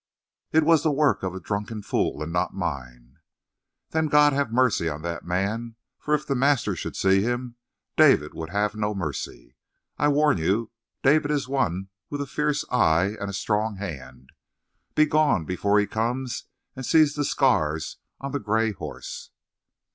"It was the work of a drunken fool, and not mine." "Then God have mercy on that man, for if the master should see him, David would have no mercy. I warn you: David is one with a fierce eye and a strong hand. Be gone before he comes and sees the scars on the gray horse."